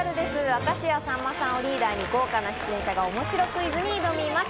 明石家さんまさんをリーダーに豪華な出演者がおもしろクイズに挑みます。